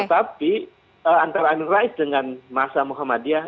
tetapi antara amin rais dengan ma'ruf amin muhammadiyah